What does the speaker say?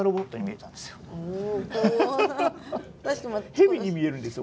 ヘビに見えるんですよ。